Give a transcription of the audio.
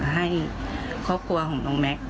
ให้ครอบครัวของน้องแม็กซ์